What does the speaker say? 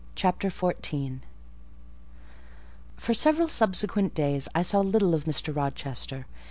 CHAPTER XIV For several subsequent days I saw little of Mr. Rochester.